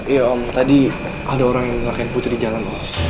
iya om tadi ada orang yang ngelakain putri di jalan